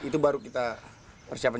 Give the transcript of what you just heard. itu baru kita persiapan